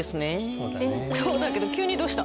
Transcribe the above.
そうだけど急にどうした？